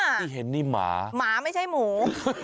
ที่เห็นนี่หมาหมาไม่ใช่หมู